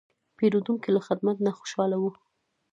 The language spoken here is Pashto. پیرودونکی له خدمت نه خوشاله و.